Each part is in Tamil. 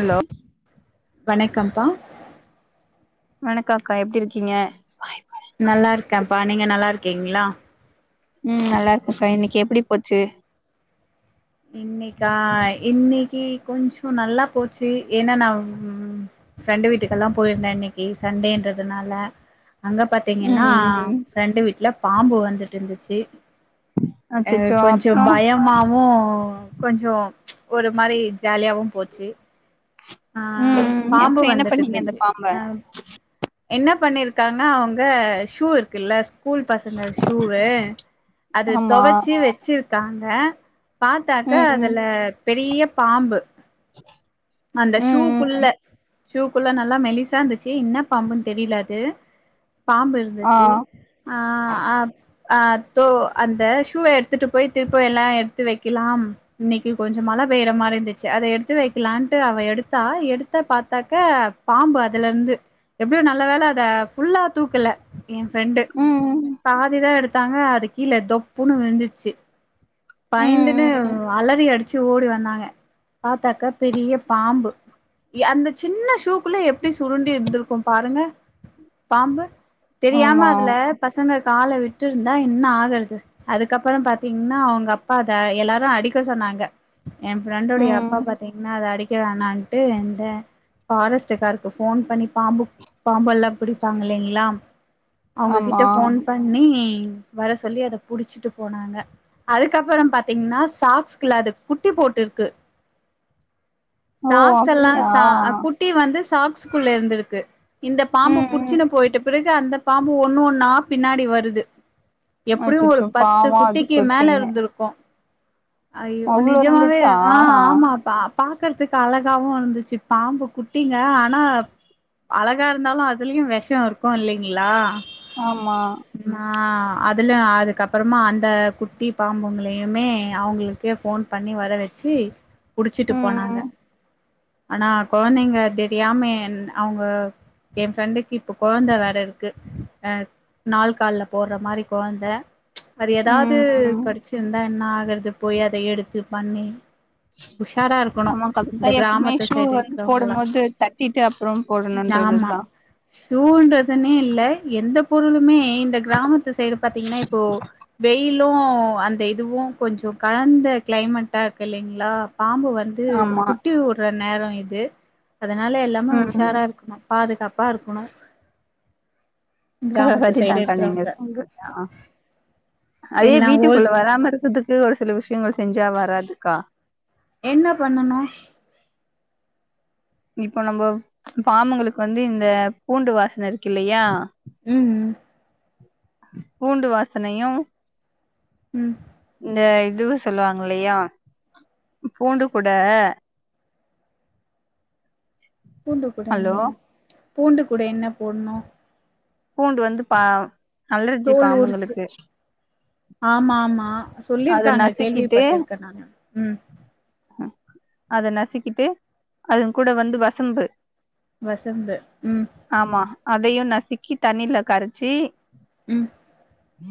ஹலோ வணக்கம்ப்பா வணக்கம் அக்கா எப்படி இருக்கீங்க நல்லா இருக்கேன்ப்பா நீங்க நல்லா இருக்கீங்களா ம் நல்லா இருக்கேப்பா இன்னைக்கு எப்படி போச்சு இன்னைக்கா இன்னைக்கு கொஞ்ச நல்லா போச்சு ஏன்னா நா உ ஃப்ரெண்டு வீட்டுக்கெல்லா போயிருந்தே இன்னைக்கு சண்டேன்றதுனால அங்க பாத் தீங்கன்னா ம் ஃப்ரெண்டு வீட்ல பாம்பு வந்துட்டு இருந்துச்சு அ அச்சச்சோ கொஞ்ச அப்றோ பயமாவு கொஞ்ச ஒரு மாரியாவு ஜாலியாவு போச்சு ஆ ம் பாம்பு அப்றோ என்ன வந்துட்டு பண்ணீங்க அந்த இருந்துச்சு பாம்ப அ என்ன பண்ணிருக்காங்க அவங்க ஷூ இருக்குல்ல ஸ்கூல் பசங்க ஷூ அது ஆமா தொவச்சி வச்சிருக்காங்க பாத்தாக்க ம் ம் அதுல பெரிய பாம்பு இதே அந்த ஷூக்குள்ள சூக்குள்ள நல்லா மெலிசா இருந்துச்சு என்ன பாம்புன்னு தெரியலாது பாம்பு ஆ இருந்துச்சு ஆ அ அ தோ அந்த ஷூவ எடுத்து போய் திருப்ப எல்லா எடுத்து வைக்கலா இன்னைக்கு கொஞ்ச மழ பெய்யர மாரி இருந்துச்சு அத எடுத்து வைக்கலான் டு அவ எடுத்தா எடுத்த பாத்தாக்க பாம்பு அதுல இருந்து எப்டியோ நல்ல வேல அத ஃபுல்லா தூக்கல என் ஃப்ரெண்டு ம் பாதிதா எடுத்தாங்க அதுக்கீழ தொப்புன்னு விழுந்துச்சு ம் பயந்துன்னு ம் ம் அலறி அடிச்சு ஓடி வந்தாங்க பாத்தாக்கா பெரிய பாம்பு அந்த சின்ன ஷூக்குள்ள எப்டி சுருண்டு இருந்திருக்கு பாருங்க பாம்பு தெரியாம ஆமா அதுல பசங்க கால விட்டு இருந்தா என்ன ஆகறது அதுக்கப்புற பாத்தீங்கன்னா அவங்க அப்பா அத எல்லாரு அடிக்க சொன்னாங்க என் ஃப்ரெண்டோடைய ம் அப்பா பாத்தீங்கன்னா அத அடிக்க வேணான்ட்டு எந்த பாரஸ்ட்க்காருக்கு ஃபோன் பண்ணி பாம்பு பாம்பு எல்லா புடிப்பாங்க இல்லைங்களா அவங்ககிட்ட ஆமா ஃபோன் பண்ணி வர சொல்லி அத புடிச்சிட்டு போனாங்க அதுக்கப்புற பாத்தீங்கன்னா சாக்ஸ்குள்ள அது குட்டி போட்டுருக்கு ஓ சாக்ஸ் எல்லாம் அப்டியா ச கு ட்டி வந்து சாக்ஸக்குள்ள இருந்திருக்கு இந்த பாம்பு ம் ம் புடிச்சுனு போயிட்டு பிறகு அந்த பாம்பு ஒன்னு ஒன்னா பின்னாடி வருது எப்டியு ஒரு அச்சச்சோ பத்து பாவோ அது குட்டிக்கி மேல குட்டிங்க இருந்துருக்கு ஐயோ அவ்ளோ நிஜமாவே இருந்துச்சா ஆ ஆமாப்பா க்கறத்துக்கு அழகாவு இருதுச்சு பாம்பு குட்டிங்க ஆனா அழகா இருந்தாலு அதுலயு வெஷ இருக்கு இல்லைங்ளா ஆமா அ அதுல அதுக்கப்றமா அந்த குட்டி பாம்புங்களைமே அவங்களுக்கே ஃபோன் பண்ணி வர வச்சி புச்சிட்டு போனாங்க ம் ஆனா கெழந்தைங்க தெரியாம என் அவங்க எ ஃபிரெண்டுக்கு இப்ப கொழந்த வேற இருக்கு அ நாள் கல்ல போட்ற மாரி கொழந்த அது ஏதாது ம் ம் கடிச் சிருந்தா என்ன ஆகறது போய் அத எடுத்து பண்ணி உஷாரா இருக்கணு ஆமாக்கா அதுக்குதா இந்த எப்பமே கிராமத்து ஷூ சைடு வந்து இருக்கிறவங்கல்லா போடும் போது தட்டிட்டு அப்ற ஆமா போடணும்ன்றதுதா ஷூன்றதுன்னே இல்ல எந்த பொருளுமே இந்த கிராமத்து சைடு பாத்தீங்கன்னா இப்போ வெயிலு அந்த இதுவு கொஞ்ச கலந்த க்ளைமேட்டா இருக்கு இல்லைங்களா பாம்பு வந்து ஆமா குட்டி வுட்ற நேர இது அதனால எல்லாமே ம் ம் உஷாரா இருக்கணு பாதுகாப்பா இருக்கணு கிராமத்து சைடு கரெட்தாக்கா நீங்க இருக்கிறவங்க சொல்றது அ அதே எல்லா வீட்டுக்குள்ள ஹோல்ஸ் வராம இருக்குது க்கு ஒரு சில விஷயகள் செஞ்சா வராதுக்கா என்ன பண்ணனு இப்ப நம்ப பாம்புகளுக்கு வந்து இந்த பூண்டு வாசன இருக்கு இல்லையா ம் பூண்டு வாசனையு ம் இந்த இது சொல்லுவாகல்லையா பூண்டு கூட பூண்டு கூட ஹலோ என்ன பூண்டு கூட என்ன போடணு பூண்டு வந்து பா அலர்ஜி தோல் உருச்சு பாம்புங்களுக்கு ஆமா ஆமா அத சொல்லிருக்காங்க நசுக்கிட்டு கேள்விப்பட்டிருக்கே நானு ம் அத நசிகிட்டு அது கூட வந்து வசம்பு வசம்பு ம் ஆமா அதையு நசுக்கி தண்ணில கரச்சி ம்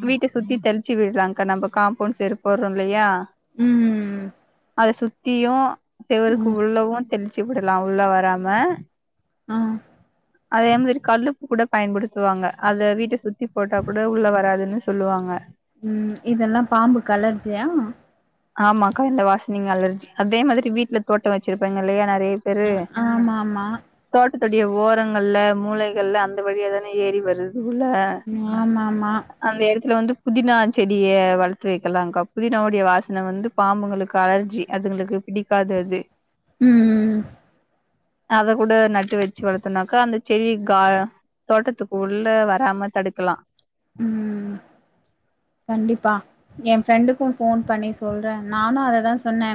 வீட்ட சுத்தி தெளிச்சி விடுலாக்கா நம்ம காம்பவுண்ட் சைடு போறோ இல்லையா ம் ம் ம் அத சுத்தியு சேவருக்கு ம் உள்ளவு தெளிச்சு விடலா உள்ள வராம ஆ அதே மாரி கல்லுப்பு கூட பயன்படுத்வாங்க அத வீட்ட சுத்தி போட்டா கூட உள்ள வராதுனு சொலுவாங்க ம் இதெல்லா பாம்புக் அலர்ஜியா ஆமாக்கா இந்த வாசனைங்க அலர்ஜி அதே மாரி வீட்ல தோட்டம் வச்சிருப்பாங்க இல்லையா நறைய பேரு அ ஆமா ஆமா தோட்டோட ஓரங்கள்ல மூளைகள்ல அந்த வழியாதான ஏறி வருது இல்ல ஆமா ஆமா அந்த இடத்துல வந்து புதினா செடியே வளத்து வக்கலாக்கா புதினாயோடைய வா சன் வந்து பாம்புங்களுக்கு அலர்ஜி அதுங்களுக்கு புடிக்காது அது ம் அத கூட நட்டு வச்சு வளத்தனாக்க அந்த செடி கா தோட்டத்துகுள்ள வராம தடுக்கலா ஆ ம் கண்டிப்பா ஏ ஃப்ரெண்டுக்கு போன் பண்ணி சொல்ற நானு அததா சொன்னே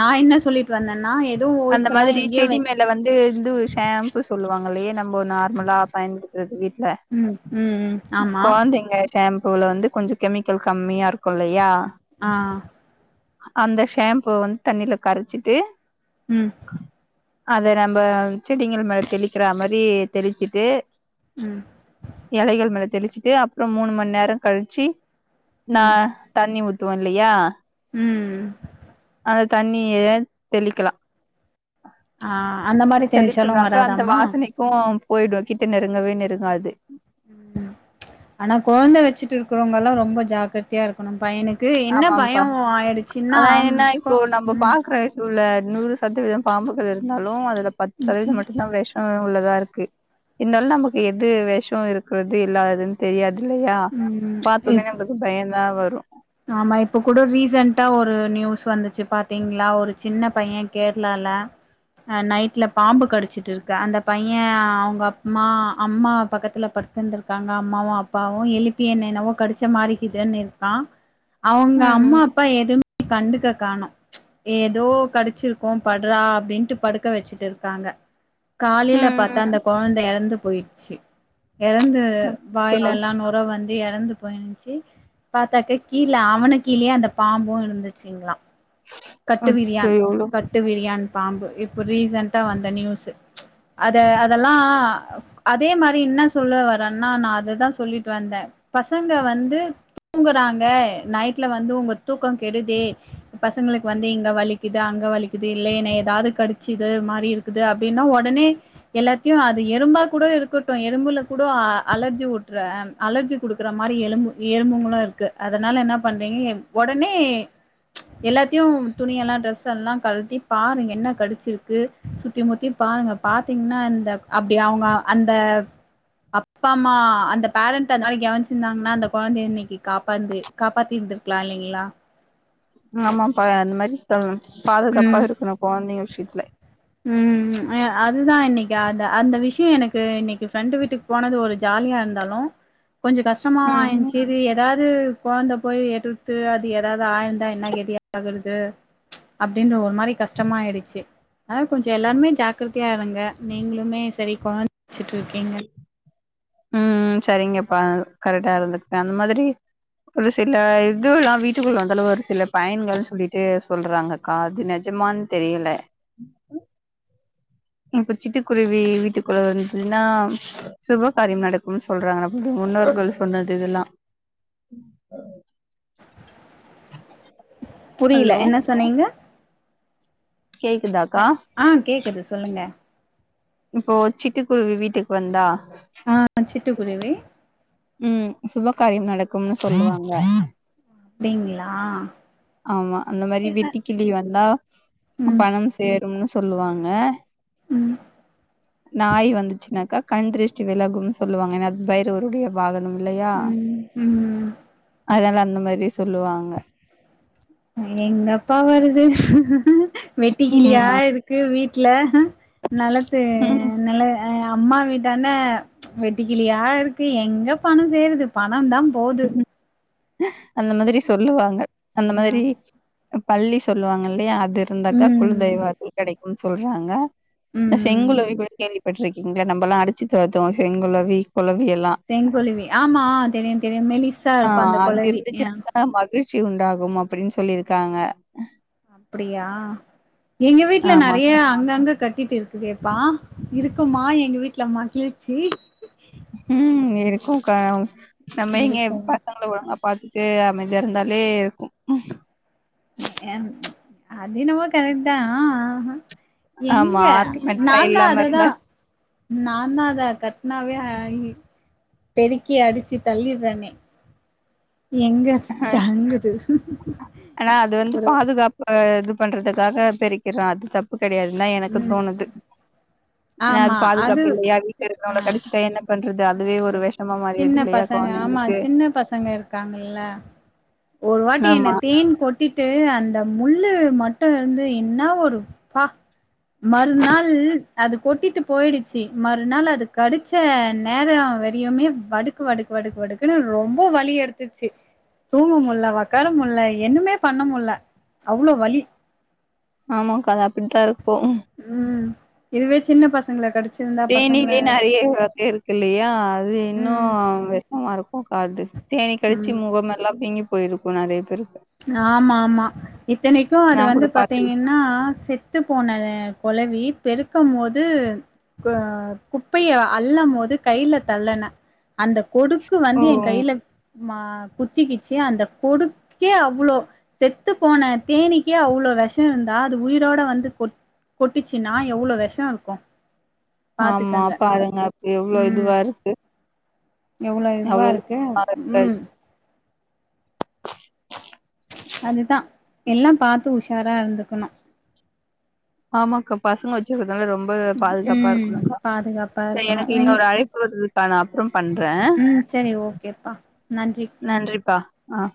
நா என்ன சொல்லி ட்டு வந்தன்னா எதுவு ஓல்ஸ் எல்லா எங்கையு இதுல வந்து இந்து ஷேம்பு சொல்லுவாங்கல்லையா நம்ம நார்மலா பய ன்படுத்தறது வீட்ல ம் ம் ம் ஆமா கொழந்தைங்க ஷாம்பூல வந் கொஞ்ச கெமிக்கல் கம்மியா இருக்கு இல்லையா ஆ அந்த ஷாம்பு வந்து தண்ணில கரச்சிட்டு ம் அத நம்ப செடிங்க மேல தெளிக்கற மாதிரி தெளிச்சுட்டு ம் இலைகள் மேல தெளிச்சுட்டு அப்றோ மூண் மணி நேர கழிச்சு நா ம் தண்ணி ஊத்துவோ இல்லையா ம் அந்த தண்ணிய தெளிக்கலா ஆ அந்த மாரி தெளிச்சாலு வராதமா ம் போயிடு கிட்ட நெருங்கவே நெருங்காது ஆனா கொழந்த வச்சுட்டு இருக்கறவங்கல்லா ரொம்ப ஜாக் சத்தியா இருக்கணு பையனுக்கு என்ன ஆமாம்பா பயம் ஆயிடுச்சின்னா ப்ப ம் உள்ள நூறு சதவீதம் பாம்புகள் இருந்தாலு அது அ பத்து சதவீதம் மட்டு தா வேஷம் உள்ளதா இருக்கு இருந்தாலு நமக்கு எது விஷம் இருக்கிறது இல்லாததுன்னு தெரியாது இல்லையா பாத்த உடனே ம் நம்பலுக் பயதா வரு ஆமா இப்ப கூட ரீசென்டா ஒரு நியூஸ் வந்துச்சு பாத்தீங்களா ஒரு சின்ன பையன் கேரளால அ நைட்ல பாம்பு கடிச்சிட்டு இருக்க அந்த பைய அவங்க ம்மா அம்மா பக்கத்துல படுத் வந்துருக்காங்க அம்மாவு அப்பாவு எழுப்பி என்னென்னவோ கடிச்ச மாறிக்கிதுன்னு இருக்க அவங்க அம்மா ம் அப்பா எதுவு கண்டுக்க காணு ஏதோ கடைச்சிருக்கோ படுறா அப்டின்ட்டு படுக்க வச்சுட்டு இருக்காங்க காலையில பாத்த அந்த ம் கொழந்த இறந்து போயிச்சு இறந்து அச்சச்சோ வாயிலெல்லா நொர வந்து இறந்து போயிச்சு பாத்தக் கீழ அவனு கீழேயே அந்த பாம்பு இருந்துச்சுங்களா கட்டு அச்சச்சோ விரியான் எவ்ளோ கட் ட்டு விரியான் பாம்பு இப்ப ரீசன்ட வந்த நியூஸ் அத அதெல்லா அதே மாரி என்ன சொல்ல வரேன்னா நா அததா சொல்லிட்டு வந்தே பசங்க வந்து தூங்குறாங்க நைட்ல வந்து உங்க தூக்க கெடுதே பசங்களுக்கு வந்து இங்க வலிக்குது அங்க வலிக்குது இல்லையன்ன ஏதாவது கடிச்சுது மாரி இருக்கு இருக்குது அப்டின்னா உடனே எல்லாத்தையு அது எறும்பா கூட இருக்கட்டு எறும்புல கூட அலர்ஜி உட்டுறன் அலர்ஜி குடுக்குற மாரி எலும்பு எறும்புங்களு இருக்கு அதனால என்ன பண்றீங்க உடனே எல்லாத்தையு துணியெல்லா ட்ரெஸ் எல்லா கழட்டி பாருங்க என்ன கடிச்சிருக்கு சுத்தி முத்தி பாருங்க பாத்தீங்கன்னா இந்த அப்டி அவங்க அந்த அப்பா அம்மா அந்த பேரண்ட் அந்த மாரி கவனச்சிருந்தாங்கன்னா அந்த கொழந்தை இன்னைக்கு காப் வந்து காப்பாத்தி இருந்திருக்கலா இல்லங்களா ஆமாப்பா அந்த மாரி தா பாதுகாப்பா ம் இருக்கணு குழந்தைங்க விஷயத்துல ம் ஆ அதுதா இன்னைக்கு அது அந்த விஷய எனக்கு இன்னைக்கு ஃப்ரெண்டு வீட்டுக் போனது ஒரு ஜாலியா இருந்தாலு கொஞ்ச கஷ்டமாவ ம் ம் ஆச்சுது ஏதாவது குழந்த போய் எடுத்து அது ஏதாவது ஆயிருந்தா என்ன கெதி ஆகுறது அப்டின்ற ஒரு மாரி கஷ்டமா ஆயிடுச்சு அதனால கொஞ்ச எல்லாருமே ஜாக்கிரத்தையா இருங்க நீங்களுமே சரி குழந்த வச்சுட்டு இருக்கீங்க ம் ம் சரிங்கப்பா கரெக்டா இருந்துக்கே அந்த மாதிரி ஒரு சில இது எல்லா வீட்டுக்குள்ள வந்தளவு ஒரு சில பயன்கள்னு சொல்லிட்டு சொல்றாங்க அது நெஜமான் தெரியல [inaudible] இப்ப சிட்டுக்குருவி வீட்டுக்குள்ள வந்துனா சுப்பு காரியம் நடக்கும்னு சொல்றாங்க அப்டி முன்னோர்கள் சொன்னது இதெல்லா ஹ [unintelligible] புரியல என்ன சொன்னீங்க கேக்குதாக ஆ கேக்குது சொல்லுங்க இப்போ சிட்டுக்குருவி வீட்டுக்கு வந்தா ஆ சிட்டு குருவி ம் சுப காரியம் நடக்கும்னு சொல்லுவாங்க அப்டிங்களா ஆமா அந்த மாரி வெட்டி கிளி வந்தா ம் பணம் சேரும்னு சொல்லுவாங்க ம் நாய் வந்துச்சுனாக்கா கண் திர்ஷ்டி விலகும் சொல்லுவாங்க ஏனா பைரவருடைய வாகனம் இல்லையா ம் ம் அதனால அந்த மாரி சொல்லுவாங்க எங்க அப்பா வருது வெட்டு கிளியா ம் இருக் கு வீட்ல நலத்து ம் நில அம்மா வீட்டான வெட்ட கிளியா இருக்கு எங்க பணம் செருது பணந் தா போ அந்த மாதிரி சொல்லுவாங்க அந்த மாதிரி பள்ளி சொல்லுவாங்க இல்லையா அது இருந்தாக்கா ம் குளதெய்வ அருள் கெடைக்கும் சொல்றாங்க இந்த ம் செங்குள்ளவி கூட கேள்வி பட்ருக்கிங்ளா நம்பல்லா அடிச்சி தொரத்துவோ செங்குளவி குளவி எல்லா செங்கொலிவி ஆமா தெரியு தெரியு மேலிஸ் ஆ அது இருந்துச்சி [unintelligible] மகிழ்ச்சி உண்டாகும் அப்டின் சொல்லி இருக்காங்க அப்டியா எங்க வீட்ல ஆமா. நெறைய அங்கங்க கட்டிட்டு இருக் குதேப்பா இருக்குமா எங்க வீட்ல மகிழ்ச்சி ம் இருக்குக்கா நம்ம எங்க இருக்குங்க எப் ஒழுங்கா பாத்துட்டு அமைதியா இருந்தாலே இருக்கு அது என்னவோ கரக்ட் தா ஆமா எங்க ஆர்குமெண்ட்லா நா தா இல்லாம இருந்தா அததா நான தா அத கட்னாவே பெருக்கி அடிச்சு தள்ளிட்றனே எங்க தாங்குது ஒரு ஒ இது பண்றதுக்காக பெரிக்கிறோ அது தப்பு கெடையாதுன் தா எனக்கு ம் தோணுது ஏனா அது பாதுகாப்பு இல்லையா வீட்ல இருக்கவங்க ஆ கடிச்சிட்டா என்ன பண்றது அதுவே ஒரு வெஷமா மாறிடுது சின்ன இல்லையா பசங்க ஆமா கொழந்தைங்களுக்கு சின்ன பசங்க இருக் காங்கல்ல ஒரு வாட்டி என்ன ஆமா தேன் கொட் டிட்டு அந்த முள்ளு மட்டு இருந்து என்னா ஒரு ப்பா மறுநாள் அது கொட்டிட்டு போயிடுச்சு மறுநாள் அது கடிச்ச நேரோ வெடியோமே வடுக்கு வடுக்கு வடுக்கு வடுக்குன்னு ரொம்ப வலி எடுத்துடுச்சு தூங்க முல்ல வொக்காரமுல்ல என்னமே பண்ண முல்ல அவ்ளோ வலி ஆமாக்கா அது அப்டித்தா இருக்கு ம் இதுவே சின்ன பசங்க கடிச் தேனிலயே நறைய வக இருக்கு இல்லையா அது இன்னு ம் வெஷமா இருக்குங்க்கா அது தேனி ம் கடிச்சு முகம் எல்லா வீங்கி போயிருக்கு நெறைய பேருக்கு ஆமா ஆமா இத்தனைக்கு அது நா வந்து கூட பாத்துருக் பாத்தீங்கன் னா செத்து போன கொளவி பெருக்கம் போது கு குப்பைய அல்ல போது கைய்ல தள்ளன அந்த கொடுக்கு ஓ வந்து என் கைய்ல மா குத்திக்கிச்சு அந்த கொடு கே அவ்ளோ செத்து போன தேனீக்கே அவ்ளோ வேஷோ இருந்தா அது உயிரோட வந்து கொட் கொட்டிச்சின்னா எவ்ளோ வேஷோ இருக்கு ஆமா பாத்துக்கங்க பாருங்க அப்ப எவ்ளோ ம் இதுவா இருக்கு எவ்ளோ இதுவா இருக்கு ம் அதுதா எல்லா பாத்து உஷாரா இருந்துக்கணு ஆமாங்க்கா பசங்க வச்சுக்கதனால ரொம்ப பாதுகாப்பா ம் இருக்கணுங்க்கா பாதுகாப்பா இருக்கணு எனக்கு எங் இன்னொரு அழைப்பு வருது க்கா நா அப்றோ பண்றே ம் சேரி ஓகேப்பா நன்றி நன்றிப்பா அ